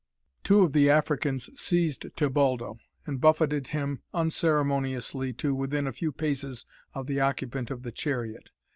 Two of the Africans seized Tebaldo, and buffeted him unceremoniously to within a few paces of the occupant of the chariot.